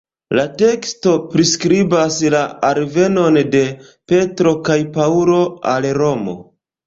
La teksto priskribas la alvenon de Petro kaj Paŭlo al Romo.